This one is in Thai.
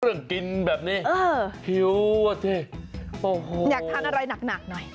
เรื่องกินแบบนี้หิวเท่าไหร่โอ้โหอยากทานอะไรหนักหน่อย